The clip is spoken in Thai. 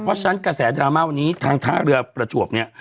เพราะฉะนั้นกระแสดราม่าวันนี้ทางท่าเรือประจวบเนี่ย